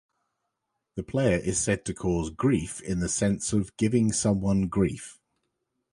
The player is said to cause "grief" in the sense of "giving someone grief".